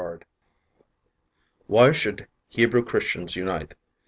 13 Why Should Hebrew Christians Unite?